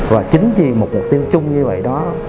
và chính vì một mục tiêu chung như vậy đó